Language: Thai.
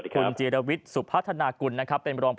คุณเจรวิชสุพัฒนากุลนะครับเป็นบริษัท